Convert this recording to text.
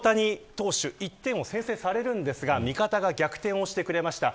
大谷選手、１点を先制されますが味方を逆転をしてくれました。